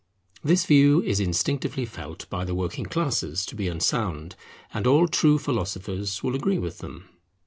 This view is instinctively felt by the working classes to be unsound, and all true philosophers will agree with them.